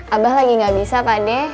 abah lagi gak bisa pak deh